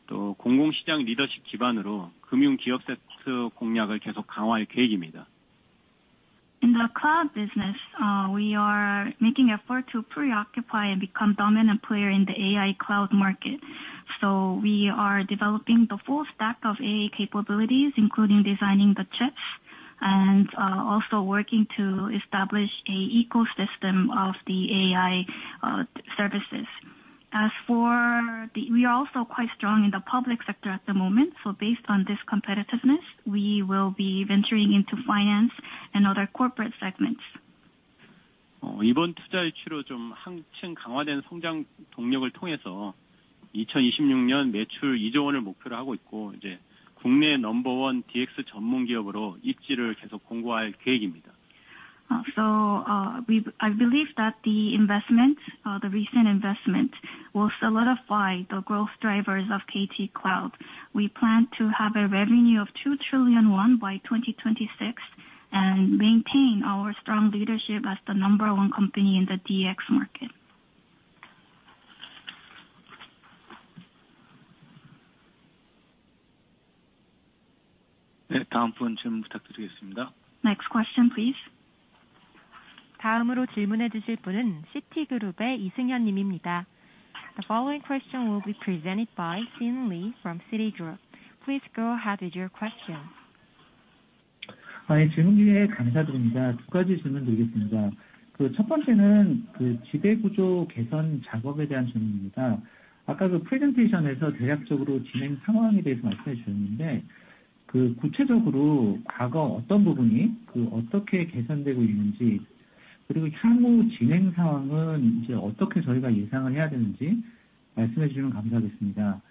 또 공공시장 리더십 기반으로 금융 기업 섹터 공략을 계속 강화할 계획입니다. In the cloud business, we are making effort to preoccupy and become dominant player in the AI cloud market. We are developing the full stack of AI capabilities, including designing the chips and also working to establish a ecosystem of the AI services. We are also quite strong in the public sector at the moment. Based on this competitiveness, we will be venturing into finance and other corporate segments. 이번 투자 유치로 좀 한층 강화된 성장 동력을 통해서 2026년 매출 2 trillion을 목표로 하고 있고, 이제 국내 number one DX 전문 기업으로 입지를 계속 공고할 계획입니다. I believe that the investment, the recent investment will solidify the growth drivers of KT Cloud. We plan to have a revenue of 2 trillion won by 2026 and maintain our strong leadership as the number one company in the DX market. 네, 다음 분 질문 부탁드리겠습니다. Next question, please. 다음으로 질문해 주실 분은 씨티그룹의 이승현 님입니다. The following question will be presented by SangHun Lee from Citigroup. Please go ahead with your question. 예, 질문 기회 감사드립니다. 두 가지 질문드리겠습니다. 그첫 번째는 그 지배구조 개선 작업에 대한 질문입니다. 아까 그 프레젠테이션에서 대략적으로 진행 상황에 대해서 말씀해 주셨는데, 그 구체적으로 과거 어떤 부분이 그 어떻게 개선되고 있는지, 그리고 향후 진행 상황은 이제 어떻게 저희가 예상을 해야 되는지 말씀해 주시면 감사하겠습니다.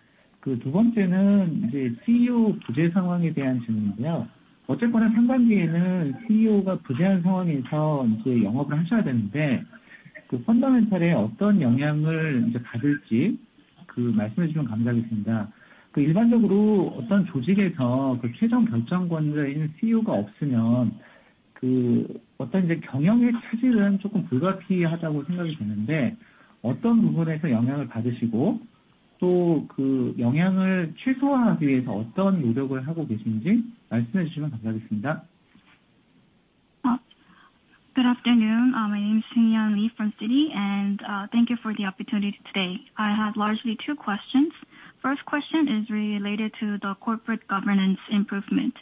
그두 번째는 이제 CEO 부재 상황에 대한 질문인데요. 어쨌거나 상반기에는 CEO가 부재한 상황에서 이제 영업을 하셔야 되는데, 그 펀더멘털에 어떤 영향을 이제 받을지 그 말씀해 주시면 감사하겠습니다. 그 일반적으로 어떤 조직에서 그 최종 결정권자인 CEO가 없으면 그 어떤 이제 경영의 차질은 조금 불가피하다고 생각이 드는데, 어떤 부분에서 영향을 받으시고, 또그 영향을 최소화하기 위해서 어떤 노력을 하고 계신지 말씀해 주시면 감사하겠습니다. Good afternoon. My name is SangHun Lee from Citi. Thank you for the opportunity today. I have largely two questions. First question is related to the corporate governance improvement.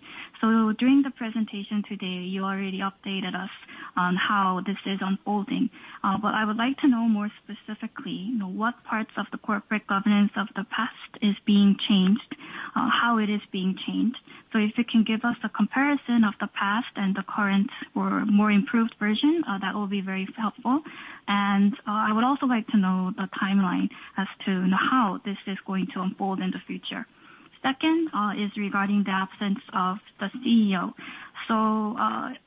During the presentation today, you already updated us on how this is unfolding. I would like to know more specifically, you know, what parts of the corporate governance of the past is being changed, how it is being changed. If you can give us a comparison of the past and the current or more improved version, that will be very helpful. I would also like to know the timeline as to how this is going to unfold in the future. Second, is regarding the absence of the CEO.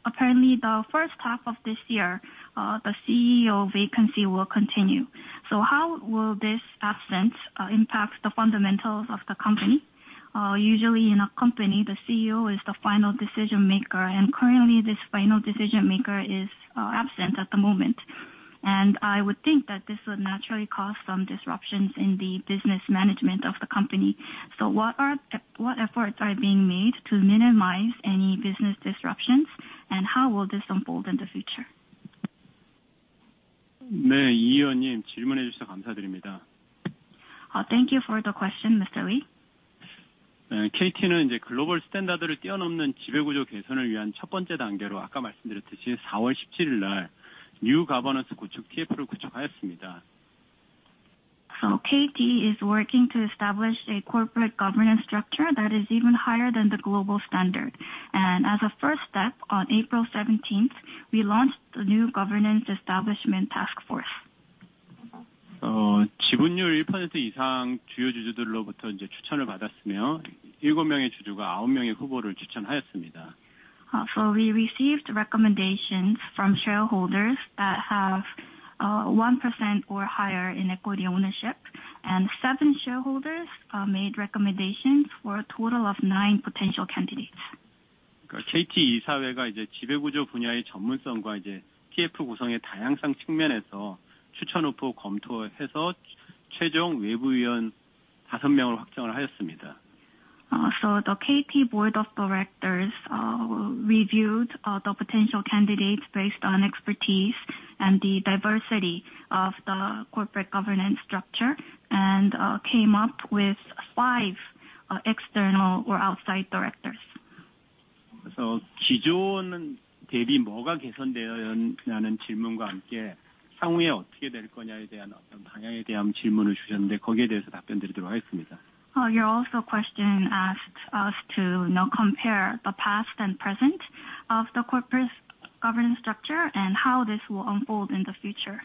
Apparently the first half of this year, the CEO vacancy will continue. How will this absence impact the fundamentals of the company? Usually in a company, the CEO is the final decision maker, and currently this final decision maker is absent at the moment. I would think that this would naturally cause some disruptions in the business management of the company. What efforts are being made to minimize any business disruptions? How will this unfold in the future? 네, 이 의원님 질문해 주셔서 감사드립니다. Thank you for the question, Mr. Lee. KT는 이제 글로벌 스탠다드를 뛰어넘는 지배구조 개선을 위한 첫 번째 단계로 아까 말씀드렸듯이 4월 17일날 New Governance 구축 TF를 구축하였습니다. KT is working to establish a corporate governance structure that is even higher than the global standard. As a first step, on April 17th, we launched the New Governance Establishment Task Force. 지분율 1% 이상 주요 주주들로부터 이제 추천을 받았으며 7명의 주주가 9명의 후보를 추천하였습니다. We received recommendations from shareholders that have 1% or higher in equity ownership and seven shareholders made recommendations for a total of nine potential candidates. KT 이사회가 이제 지배구조 분야의 전문성과 이제 TF 구성의 다양성 측면에서 추천 후보 검토해서 최종 외부 위원 5명을 확정을 하였습니다. The KT board of directors reviewed the potential candidates based on expertise and the diversity of the corporate governance structure and came up with five external or outside directors. 기존 대비 뭐가 개선되어야 한다는 질문과 함께 향후에 어떻게 될 거냐에 대한 어떤 방향에 대한 질문을 주셨는데 거기에 대해서 답변드리도록 하겠습니다. Your also question asked us to now compare the past and present of the corporate governance structure and how this will unfold in the future.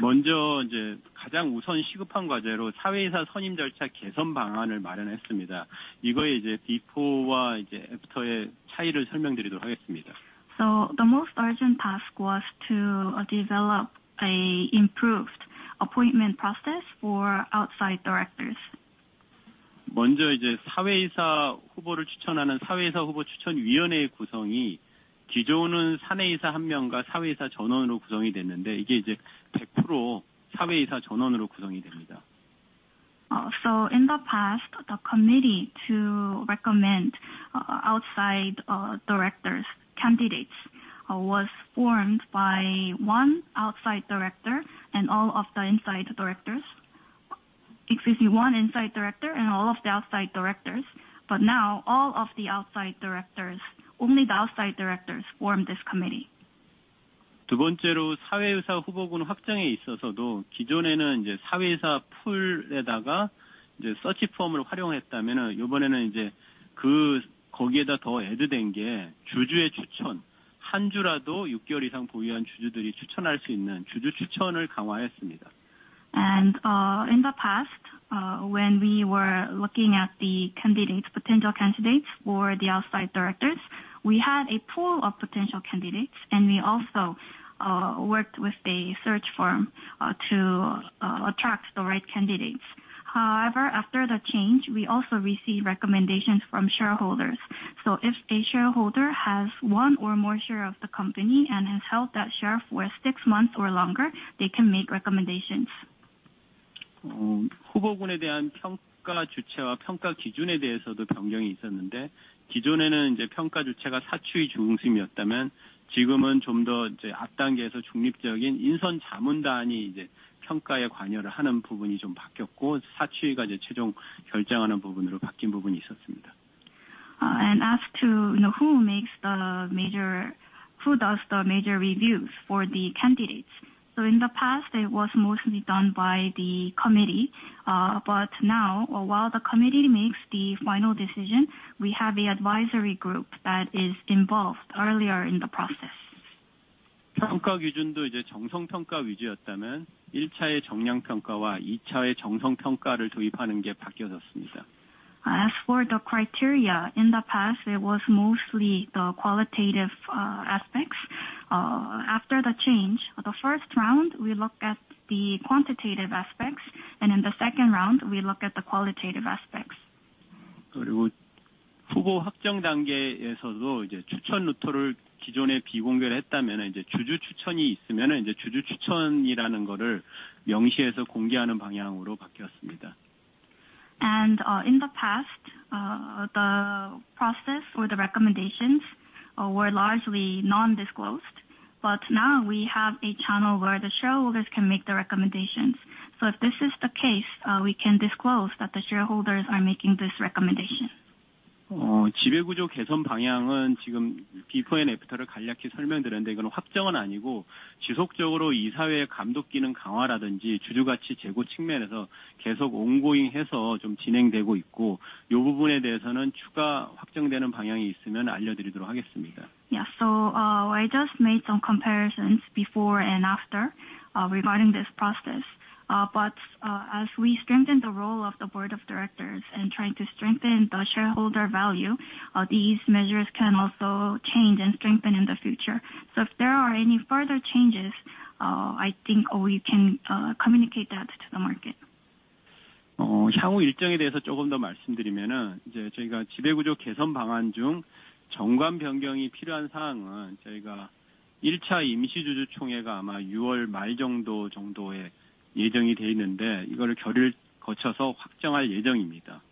먼저 이제 가장 우선 시급한 과제로 사외이사 선임 절차 개선 방안을 마련했습니다. 이거에 이제 before와 이제 after의 차이를 설명드리도록 하겠습니다. The most urgent task was to develop an improved appointment process for outside directors. 먼저 이제 사외이사 후보를 추천하는 사외이사 후보 추천위원회의 구성이 기존은 사내이사 한 명과 사외이사 전원으로 구성이 됐는데 이게 이제 100% 사외이사 전원으로 구성이 됩니다. In the past, the committee to recommend outside directors, candidates, was formed by one outside director and all of the inside directors. Excuse me, one inside director and all of the outside directors. Now all of the outside directors, only the outside directors form this committee. 두 번째로 사외이사 후보군 확장에 있어서도 기존에는 이제 사외이사 pool에다가 이제 search firm을 활용했다면 이번에는 이제 그 거기에다 더 add 된게 주주의 추천, 1주라도 6개월 이상 보유한 주주들이 추천할 수 있는 주주 추천을 강화했습니다. In the past, when we were looking at the candidates, potential candidates for the outside directors, we had a pool of potential candidates, and we also worked with a search firm to attract the right candidates. However, after the change, we also received recommendations from shareholders. If a shareholder has one or more share of the company and has held that share for six months or longer, they can make recommendations. 후보군에 대한 평가 주체와 평가 기준에 대해서도 변경이 있었는데 기존에는 이제 평가 주체가 사추위 중심이었다면 지금은 좀더 이제 앞 단계에서 중립적인 인선 자문단이 이제 평가에 관여를 하는 부분이 좀 바뀌었고, 사추위가 이제 최종 결정하는 부분으로 바뀐 부분이 있었습니다. As to, you know, who does the major reviews for the candidates. In the past, it was mostly done by the committee. Now, while the committee makes the final decision, we have the advisory group that is involved earlier in the process. 평가 기준도 이제 정성 평가 위주였다면 일차의 정량 평가와 이차의 정성 평가를 도입하는 게 바뀌어졌습니다. As for the criteria, in the past it was mostly the qualitative aspects. After the change, the first round, we look at the quantitative aspects, and in the second round, we look at the qualitative aspects. 후보 확정 단계에서도 이제 추천 루트를 기존에 비공개를 했다면 이제 주주 추천이 있으면 이제 주주 추천이라는 거를 명시해서 공개하는 방향으로 바뀌었습니다. In the past, the process or the recommendations, were largely non-disclosed. Now we have a channel where the shareholders can make the recommendations. If this is the case, we can disclose that the shareholders are making this recommendation. 지배구조 개선 방향은 지금 before and after를 간략히 설명드렸는데 이거는 확정은 아니고 지속적으로 이사회의 감독 기능 강화라든지 주주 가치 제고 측면에서 계속 ongoing 해서 좀 진행되고 있고, 이 부분에 대해서는 추가 확정되는 방향이 있으면 알려드리도록 하겠습니다. Yeah. I just made some comparisons before and after, regarding this process. As we strengthen the role of the board of directors and trying to strengthen the shareholder value, these measures can also change and strengthen in the future. If there are any further changes, I think we can communicate that to the market. 어, 향후 일정에 대해서 조금 더 말씀드리면 이제 저희가 지배구조 개선 방안 중 정관 변경이 필요한 사항은 저희가 일차 임시 주주총회가 아마 유월 말 정도, 정도에 예정이 돼 있는데 이거를 결의를 거쳐서 확정할 예정입니다.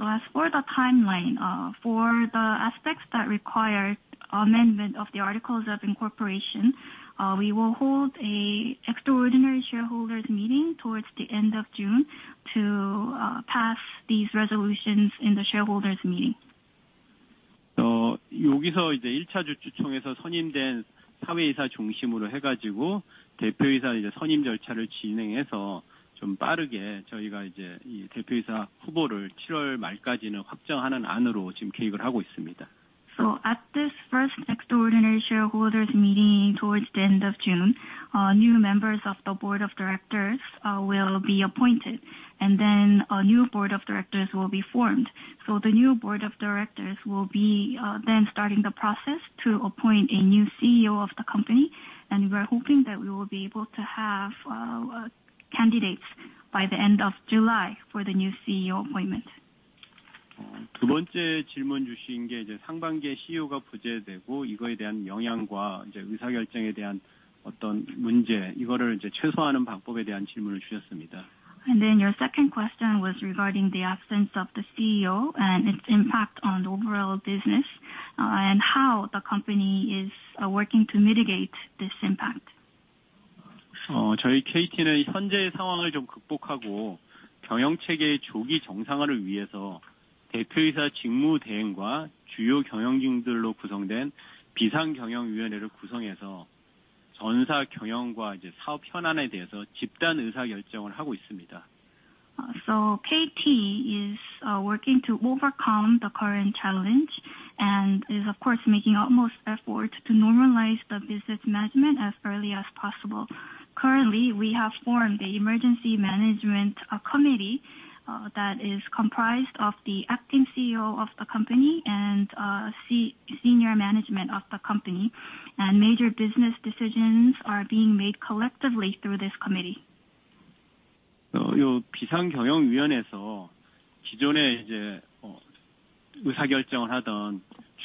As for the timeline, for the aspects that require amendment of the articles of incorporation, we will hold a extraordinary shareholders meeting towards the end of June to pass these resolutions in the shareholders meeting. 어, 여기서 이제 일차 주주총에서 선임된 사외이사 중심으로 해가지고 대표이사 이제 선임 절차를 진행해서 좀 빠르게 저희가 이제 이 대표이사 후보를 칠월 말까지는 확정하는 안으로 지금 계획을 하고 있습니다. At this first extraordinary shareholders meeting towards the end of June, new members of the board of directors will be appointed and then a new board of directors will be formed. The new board of directors will be then starting the process to appoint a new CEO of the company, and we are hoping that we will be able to have candidates by the end of July for the new CEO appointment. Your second question was regarding the absence of the CEO and its impact on the overall business, and how the company is working to mitigate this impact. KT is working to overcome the current challenge and is of course making utmost effort to normalize the business management as early as possible. Currently, we have formed the Emergency Management Committee that is comprised of the acting CEO of the company and senior management of the company, and major business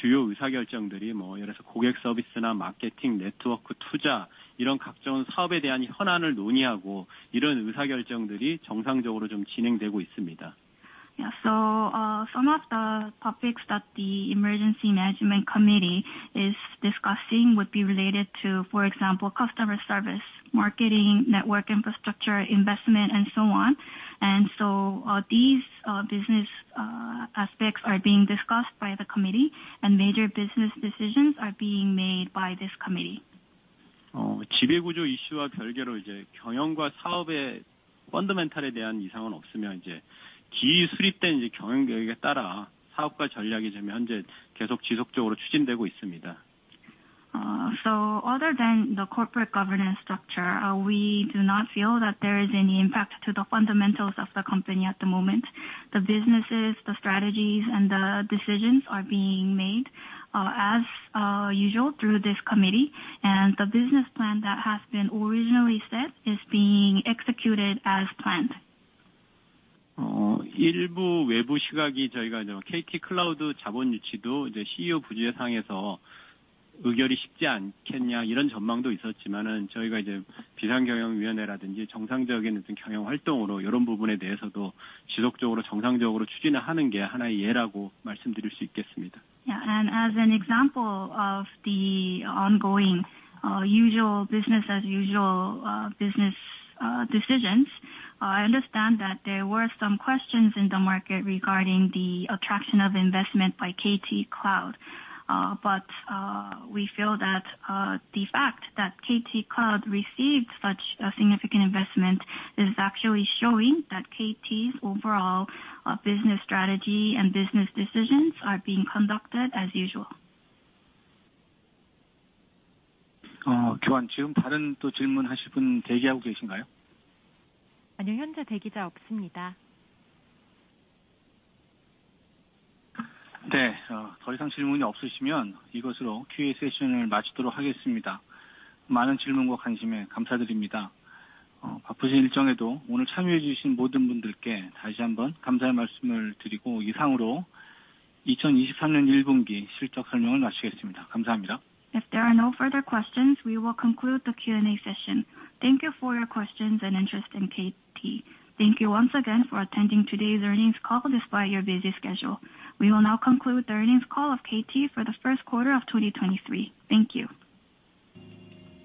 decisions are being made collectively through this committee. Some of the topics that the Emergency Management Committee is discussing would be related to, for example, customer service, marketing, network infrastructure, investment and so on. These business aspects are being discussed by the committee and major business decisions are being made by this committee. Other than the corporate governance structure, we do not feel that there is any impact to the fundamentals of the company at the moment. The businesses, the strategies and the decisions are being made as usual through this committee, and the business plan that has been originally set is being executed as planned. As an example of the ongoing, usual business as usual, business decisions, I understand that there were some questions in the market regarding the attraction of investment by KT Cloud. We feel that, the fact that KT Cloud received such a significant investment is actually showing that KT's overall, business strategy and business decisions are being conducted as usual. If there are no further questions, we will conclude the Q&A session. Thank you for your questions and interest in KT. Thank you once again for attending today's earnings call despite your busy schedule. We will now conclude the earnings call of KT for the first quarter of 2023. Thank you.